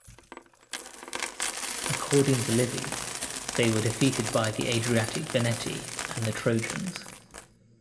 According to Livy, they were defeated by the Adriatic Veneti and the Trojans.